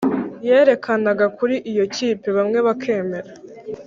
yerekanaga kuri iyo kipe bamwe bakemera